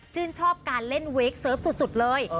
ชอบการเล่นเวคเซิร์ฟสุดเลย